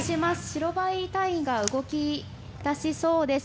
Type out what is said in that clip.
白バイ隊員が動き出しそうです。